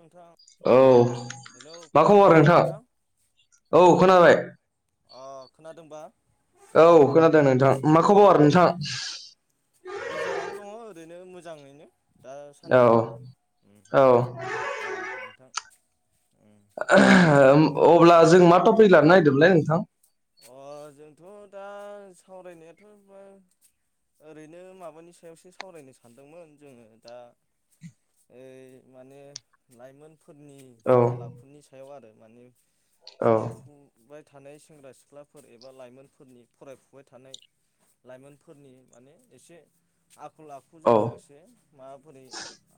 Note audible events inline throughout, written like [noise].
नोंथां औ हेलौ मा खबर खोनादोंना नोंथां औ खोनाबाय अ खोनादोंबा औ खोनादों नोंथां मा खबर अ नोंथां गेजेरावनो दङ ओरैनो मो जाङैनो औ दासान्दि उम औ औ नोंथां उम [unintelligible] अब्ला जों मा टपिक लानो नागदोंमोनलाय नोंथां अ जोंथ' दा सावरायनायाथ' बा ओरैनो माबानि सायावसो सावरायनो सानदोंमोन जोङो दा ओइ माने लाइमोन फोरनि औ आखल आखुनि सायाव आरो माने औ देरफुबाय थानाय सेंग्रा सिख्ला सिख्लाफोर एबा लाइमोनफोरनि फरायफुबाय थानाय लाइमोनफोरनि माने एसे आ आखल औ आखुजों लोगोसे माबोरै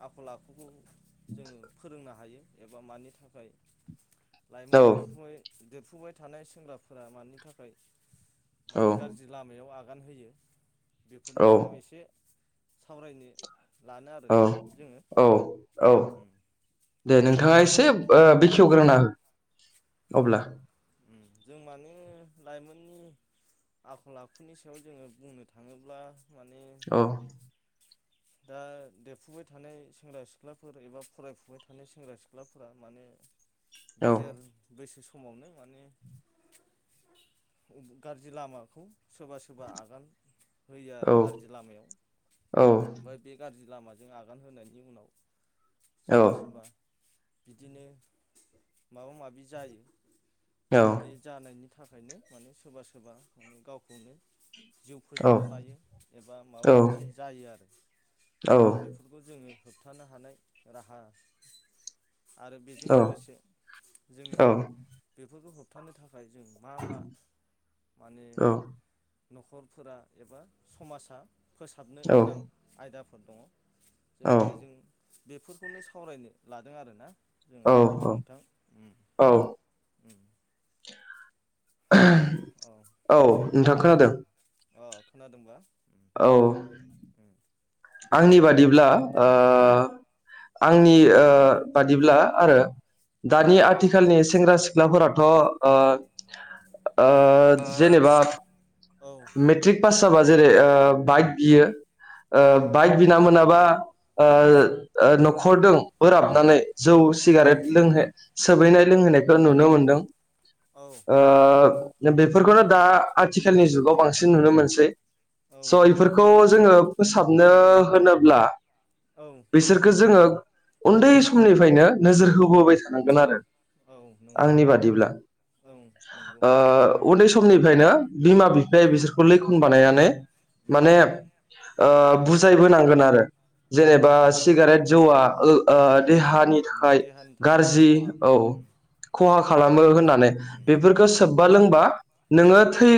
आखल आखु जोङो फोरोंनो हायो एबा मानि थाखाय लाइमोन देरफुनाय देरफुबाय थानाय सेंग्राफोरा मानि थाखाय औ माने गाज्रि लामायाव आग गानहोयो औ बेफोरनि सायाव एसे सावरायनो लानो औ आरोना जोङो औ औ उम दे नोंथाङा एसे बेखेवग्रोंना हो अ अब्ला उम जों माने लाइमोननि आखल आखुनि सायाव जोङो बुंनो थाङोब्ला माने औ- दा देरफुबाय थानाय सेंग्रा सिख्लाफोर एबा फरायफुबाय थानाय सेंग्रा सिख्लाफोरा माने औ गेजेर बैसो समावनो माने गाज्रि लामाखौ सोरबा सोरबा आगान होयो औ आरो गाज्रि लामायाव औ ओमफ्राय बे गाज्रि लामाजों आगान होनायनि उनाव औ सोरबा सोरबा बिदिनो माबा माबि जायो। औ बे जानायनि थाखायनो माने सोरबा सोरबा गावखौनो जिउ फोजोबना लायो एबा माबा मोनसे जायो आरो! दा बेफोरखौ जों ङो होबथानो हानाय राहा आरो औ बेजों लोगोसे जोङो बेफोरखौ होबथानो थाखाय थाखाय जों मा मा माने न'खरफोरा एबा समाजा फोसाबनो गोनां आयदाफोर दङ। जों बेजों बेफोरखौनो सावरायनो लादों आरो ना! औ औ औ उम हेलौ औ औ उम नोंथां खोनादों। उम अ खोनादोंबा उम औ उम आंनि बादिब्ला ओ औ आंनि ओ बादिब्ला आरो औ दानि आथिखालनि सेंग्रा सिख्लाफोरा थ ओ ओ जेनेबा मेट्रिक पास जाबा जेरै बाइक बियो औ ओ बाइक बिना मोनाबा बा ओ ओ न'खरदों बोराबनानै जौ औ सिगारेट लोंहो सोबहैनाय लोंहैनायखौ नुनो मोनदों औ ओ बेफोरखौनो दा आथिखालनि जुगाव बांसिन नुनो मोनसै औ स' नंगौ बेफोरखौ जोङो फोसाबनो होनोब्ला औ बिसोरखो जोङो उन्दै उम समनिफ्रायनो नोजोर होबोबाय थानांगोन आरो औ नंगौ आंनि बादिब्ला! औ नंगौ ओ उन्दै उम समनिफ्रायनो बिमा- बि फाया बिसोरखौ लैखन बानायनानै उम माने ओ बुजायबोनांगोन आरो। औ जेनेबा नंगौ सिगारेट जौआ ओ आ देहानि उम थाखाय देहानि थाखाय गाज्रि खहा औ! औ उम खहा खालामो नंगौ होननानै उम बेफोरखौ उम सोब्बा लोंबा नोङो औ थै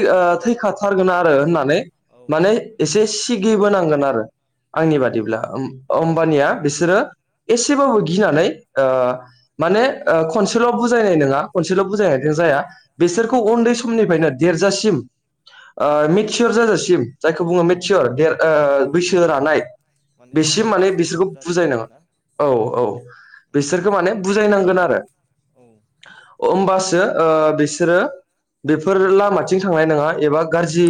थैखाथारगोन आरो रो होननानै औ माने एसे सिगिबोनांगोन आरो! औ आंनि बादिब्ला उम अम्बानिया बिसोरो एसेबाबो गिनानै ओ माने ओ उम खनसेल' बुजायनाय नङा खनसेल' बुजायनायजों जाया औ बेसोरखौ उन्दै समनिफ्रायनो देरजासिम ओ मिथिसार जाजासिम जायखौ बुङो औ मेथियर देर ओ उम बैसो रानाय। माने बेसिम जिदाइन माने बोसोर बिसोरखौ बारजासिम बुजायनाङा आरोना औ औ उम बिसोरखौ माने बुजायनांगोन आरो औ औ होमबासो बिसोरो उम बेफोर लामाथिं थांनाय नङा एबा गाज्रि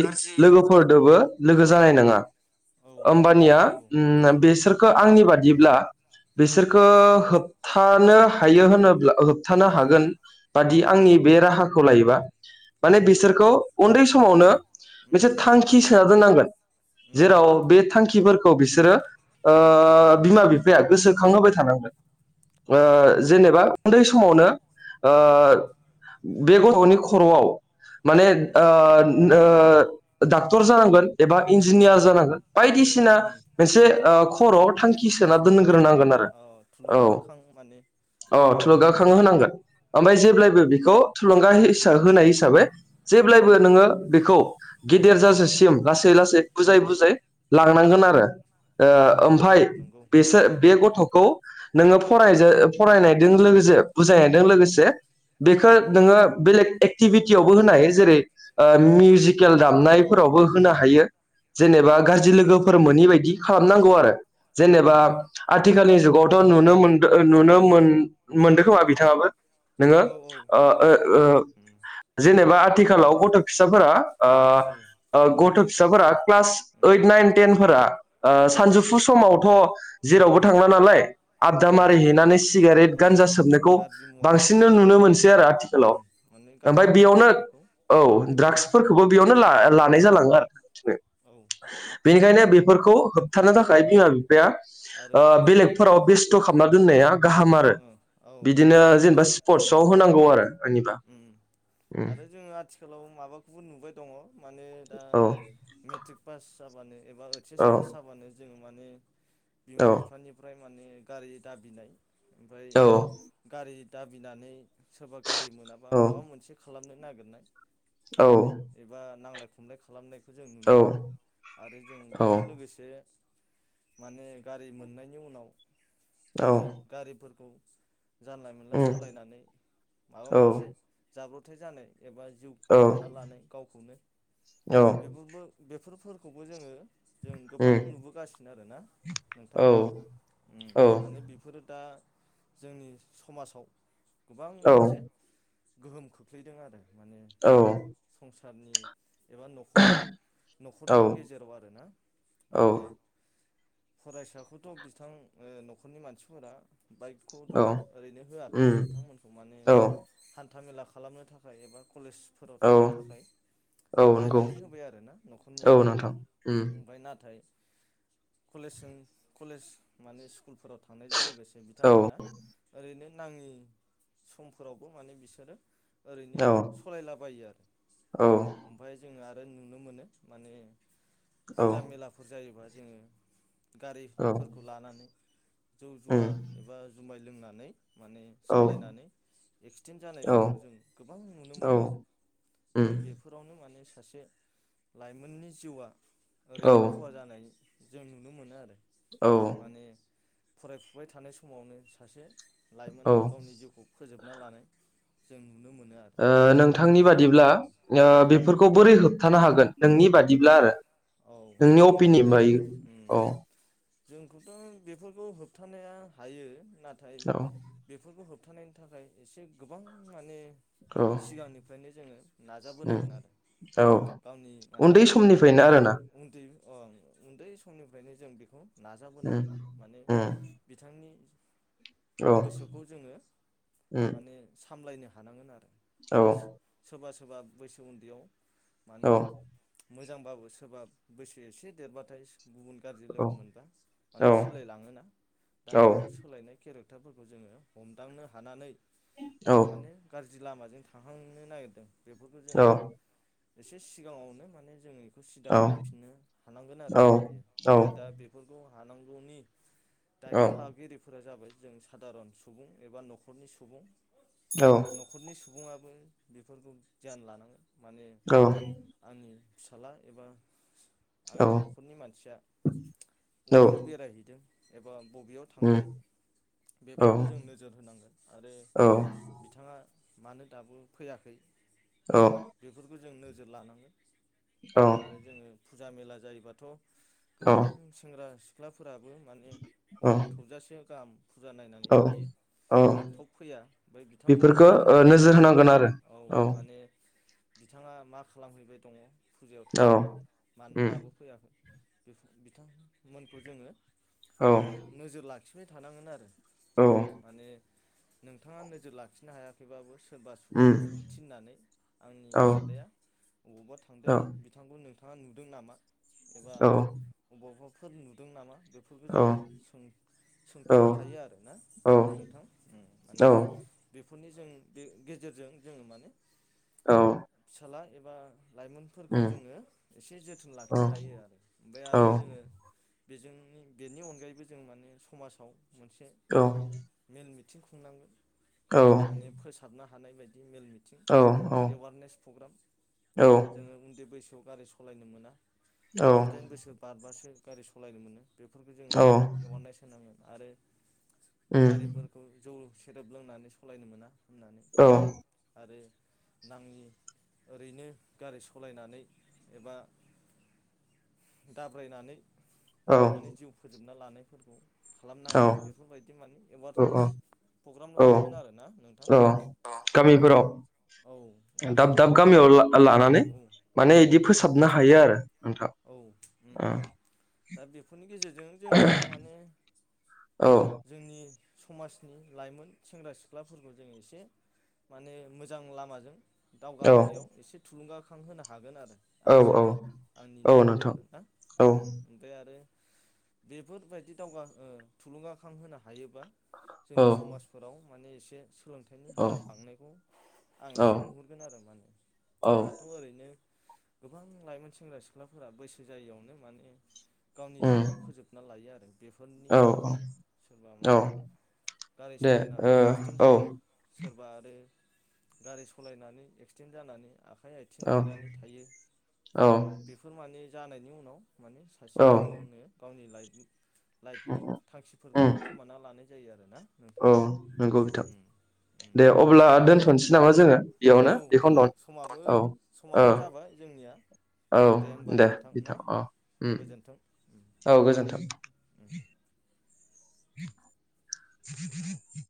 उम लोगोफोरदोबो लोगो जानाय नङा औ होम्बानिया नंगौ बेसोरखौ आंनि उम बादिब्ला बिसोरखौ उम होबथा हानो हायो होनोब्ला होबथानो हागोन बादि उम आंनि बे राहाखौ लायोबा औ माने बिसोरखौ उन्दै समावनो उम उम मोनसे थांखि सोना दोननांगोन उम जेराव बे थांखिफोरखौ बिसोरो ओ बिमा बिफाया गोसोखांहोबाय थानांगोन। औ ओ नंगौ जेनेबा उन्दै समावनो ओ उम बे गथ'नि खर'आव माने उम ओ ओ डाक्टर जानांगोन एबा इन्जिनियार जानांगोन बायदिसिना उम मोनसे खर'आव थांखि सोना थुलुंगाखां दोनग्रोनांगोन आरो अ औ थुलुंगाखां माने अ थुलुंगा खां उम होनांगोन ओमफ्राय औ जेब्लायबो बेखौ थुलुंगा हि होनाय हिसाबै उम जेब्लायबो नोङो बेखौ गिदिर जासा सिम लासै लासै बुजाय बुजाय औ लांनांगोन आरो ओ औ ओमफ्राय नंगौ बेसोर बे गथ'खौ खौ नोङो फराय फरायनायदों लोगोसे बुजायनायदों लोगोसे बेखौ उम नोङो बेलेग एक्टि भिटियावबो होनाय जेरै ओ मिउजिकेल दामनाय फोराव बो होनो हायो। औ जेनेबा गाज्रि लोगो फोर मोनि बायदि खालामनांगौ आरो जेनेबा उम आथिखालनि जुगाव थ' नुनो मोनदों नुनो मोन मोनदों खोमा बिथाङाबो। नोङो औ औ ओ ओ नंगौ ओ उम जेनेबा माने आथिखालाव गथ' फिसा फोरा ओ औ ओ गथ' माने फिसा फोरा गाज्रि क्लास उम ओइट नाइन टेन फोरा औ सानजौफु समावथ' जेरावबो उम थांला नालाय आददा उम मारि हैनानै सिगारेट औ गान्जा सोबनायखौ गाज्रि मुवा बांसिननो नुनो मोन मोनसै आरो उम आथिखालाव माने गाज्रि ओमफ्राय मुवा बेयावनो लानायखौ औ उम द्राग्स फोरखौबो बेयावनो ला लानाय जालाङो आरो औ बेनिखायनो बेफोरखौ होब थानो थाखाय उम बिमा बिफाया ओ आरो बेलेग उम फोराव बेस्थ' खालामना दोननाया गाहाम आरो ओ औ बिदिनो आरो जोङो जेनेबा स्पर्टस उम आव होनांगौ आरो आंनिबा। उम आरो जोङो आथिखालाव माबा खौबो नुबाय दङ माने दा औ मेट्रिक पास जाबानो एबा ऐइ एस औ पास जाबानो जों माने बिमा औ बिफानिफ्राय माने गारि दाबिनाय ओमफ्राय गारि दाबिनानै सो मोनाबा औ माबा मोनसे खालामनो नागिरनाय औ एबा नांलाय खमलाय खालामनाय। जों नुनो मोनो औ आरो जों औ बेजों लोगोसे माने गारि मोननायनि उनाव औ जोङो गारि फोरखौ जानला मोनला उम सालायनानै माबा औ मोनसे जाब्रबथाय जानाय। एबा जिउ औ खोमानना लानाय गावखौनो औ बेफोरबो बेफोर खौबो जोङो जोंङो जों गोबां उम नुबो गासिनो आरोना। नोंथां औ उ औ माने बेफोरो दा जोंनि समाजाव गोबां औ मोनसे गोहोम खोख्लैदों आरो। औ। सारनि एबा न'खरखौ न'खरनि गेजेराव आरोना माने फरायसा खौथ' बिथां ओ न'खरनि मानसि फोरा बाइक खौथ' ओरैनो होआखै उम बिथां मोनखौ माने औ हान्थामेला खालामनो थाखाय एबा कलेज फोराव औ थांनो थाखाय औ नंगौ बायनानै होबाय आरोना न'खर निया। औ नोंथां उम ओमफ्राय नाथाय कलेजजों कलेज माने स स्कुल फोराव थांनायजों लोगोसे औ बिथांमोना ओरैनो नाङि सम फोरावबो माने बिसोरो ओरैनो औ सालायला बायो आरो औ ओमफ्राय जोङो आरो फ्राय नुनो मोनो माने फुजा औ मेला फोर जायोबा जोङो गारि औ फोरखौ लानानै उम जौ-जुवा एबा जुमाय लोंनानै माने औ सालायनानै एक्सिडेन्ट जानाय औ फोरखौ जों गोबां नुनो औ मोनो। आरो उम ओमफ्राय बेफोरावनो माने सासे लाइमोननि जिउआ औ ओरैनो खहा जानाय जों नुनो मोनो आरो माने फराय फुबाय थानाय समावनो सासे औ ओ लाइमोना गावनि जिउखौ फोजोबना लानाय जों नुनो मोनो आरो ओ ओमफ्राय नोंथांनि बादिब्ला औ ओ उम बेफोरखौ बोरै होबथानो हागोन? नोंनि बादिब्ला आरो। औ नोंनि जोंथ' अपिनियन बेफोर बाय उम। औ जोंखौथ' बेफोरखौ होबथा नाया हायो नाथाय औ बेफोरखौ होब होबथानायनि थाखाय एसे गोबां माने औ सिगांनिफ्रायनो जोङो उम नाजाबोनांगोन आरो औ गावनि उन्दै समनिफ्रायनो आरो ना ओं उन्दै समनिफ्रायनो जों बेखौ उम नाजाबोनांगोन आरो माने उम बिथांनि औ गोसोखौ जोङो उम माने सामलायनो हानांगोन आरो औ दास सोबा सोबा बैसो उन्दैयाव माने मोजांबाबो सोरबा बैसो एसे देरबाथाय गुबुन गाज्रि औ लोगो मोनब्ला औ माने सोलायलाङो ना दा औ बेफोर सोलायनाय केरेक टारफोरखौ जोङो हमदांनो हानानै औ बियो माने गा ज्रि लामाजों थांहांनो नागिरदों बेफोरखौ औ जोङो एसे सिगाङावनो माने जों इखौ सिदा औ औ उम खालामफिननो हानांगोन आरो औ बेयो। औ ओमफ्राय दा बेफोर खौ हानांगौनि दायथ' लागिरिफोरा जाबाय जों सादारन सुबुं एबा न'खरनि सुबुं न'खरनि सुबुङा बो बेफोरखौ गियान लानांगोन माने आंनि फिसाला एबा आंनि न'खरनि मानसिया बबेयाव बेरायहैदों एबा बबेयाव थांदों बेफोरखौ जों नोजोर होनांगोन आरो बिथाङा मानो दाबो फैयाखै बेफोरखौ जों नोजोर लानांगोन अ। आरो जोङो फुजा मेला जायोबाथ' गोबां सेंग्रा सि फोराबो माने हर थौजासे गाहाम फुरजा नायनानै औ थायो। औ औ थप फैया ओमफ्राय बिथांमोनखौबो बेफोरखौ जों ओ नोजोर लानांगोन। होनांगोन आरो औ माने बिथाङा मा खालामहैबाय दङ' फुजायाव औ थांनानै मानो उम दाबो फैयाखै बेफोर बिथांमोनखौ जोङो औ माने नोजोर लाखिबाय थानांगोन आरो औ उम माने नोंथाङा नोजोर लाखिनो हायाखैबाबो सोरबा उम सुबुंखौ थिननानै आंनि औ फिसालाया बबावबा थांदों बिथांखौ नों थाङा नुदों नामा एबा औ बबावबाफोर नुदों नामा बेफोरखौ औ जोङो सों-सोंथ'नो हायो आरो ना औ नोंथां? उम औ माने बेफोरनि जों बे गेजेरजों जोङो माने औ। फिसाला एबा लाइमोनफोरखौ जोङो एसे जोथोन औ लाखिनो हायो आरो ओमफाय औ आरो जोङो बेजोंनि बेनि अनगायैबो जों माने समाजाव मोनसे औ मेल मि थिं खुंनांगोन। माने फोसाबनो हानाय बाय मेल मिथिं औ औ उम औ एवारनेस प्रग्राम जोङो उन्दै बैसोआव गारि स लायनो मोना जिदाइन बोसोर बारबासो गारि सलायनो मोनो। बेफोरखौ जोङो एवारनेस होनांगोन आरो गारिफोरखौ जौ सेरेब लोंनानै सलायनो मोना होननानै आरो नाङि ओरैनो गारि सलायनानै एबा दाब्रायनानै गावखौनो जिउ फोजोब ना लानायफोरखौ खालाम औ नाङा बेफोरबायदि माने औ एवारनेस प्रग्राम औ लानांगोन आरो ना नोंथां औ गामिफोराव औ दाब दाब गामिफोराव उम गामियाव औ ला-लानानै औ माने इदि फोसाबनो हायो आरो नोंथां औ उम उम दा बेफोरनि गेजेरजों जोङो माने ओ औ जोंनि समाजनि लाइमोन सेंग्रा सिख्लाफोरखौ जों एसे माने मोजां लामाजों दावगाहोनायाव एसे थुलुंगाखां होनो हागोन आरो आं औ औ सानो। आंनि औ नोजोराव नोंथां आरो ना औ उम [unintelligible] आ रो बेफोरबायदि दावगा ओ थुलुंगाखां होनो हायोबा जोंनि समाजफोराव माने एसे सोलोंथाइनि औ हारा बांनायखौ आं औ एसे नुहुरगोन आरो माने। औ दाथ' ओरैनो गोबां लाइमोन सेंग्रा सिख्लाफोरा बैसो जायियावनो माने गावनि उम जिउखौ फोजोबना लायो आरो बेफोरनि औ थाखायनो सोरबा औ माने गारि दे सालायनानै एक्सिडेन्ट ओ जायो सोरबा आरो गारि सालायनानै एक्सिडेन्ट जानानै आखाइ आथिं औ बायनानै थायो औ [unintelligible] जानायनि उनाव माने सासे औ गावनो गावनि लाइफ लाइफनि थांखिफोरखौ उम खोमाना लानाय जायो आरो ना औ नंगौ बिथां उम दे अब्ला दोन्थ'नोसै नामा जोङो औ बेयावनो बेखौनो दं समाबो औ औ समाबो जाबाय जोंनिया औ होमबा दे नोंथां ना बिथां औ गोजोन्थों औ गोजोन्थों [unintelligible] [unintelligible]